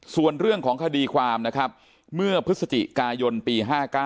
ส่วนเรื่องของคดีความนะครับเมื่อพฤศจิกายนปี๕๙